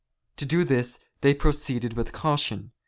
To do this they proceeded with caution.